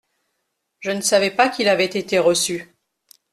Je ne savais pas qu’il avait été reçu.